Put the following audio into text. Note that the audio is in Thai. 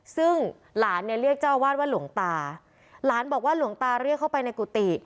ซึ่งหลานเนี่ยเรียกเจ้าอาวาสว่าหลวงตาหลานบอกว่าหลวงตาเรียกเข้าไปในกุฏิ